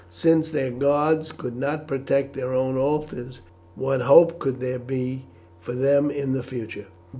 Since their gods could not protect their own altars what hope could there be for them in the future?